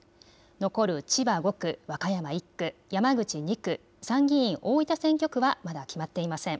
残る千葉５区、和歌山１区、山口２区、参議院大分選挙区はまだ決まっていません。